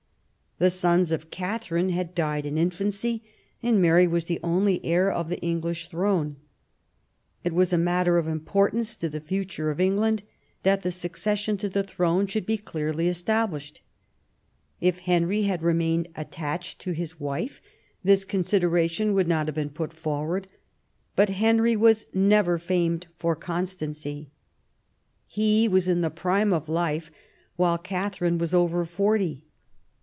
The sons of Katharine had died in infancy, and Mary was the only heir of the English throne ; it was a matter of importance to the future of England that the succession to the throne should be clearly established. If Henry had remained attached to his wife this consideration would not have been put forward ; but Henry was never famed for constancy. He was in the prime of life, while Katharine was over forty.